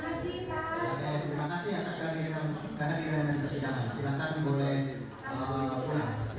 lari ke tangan si orang ini dan menerima uang dari persyaratan